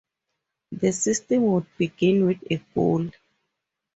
The system would begin with a goal.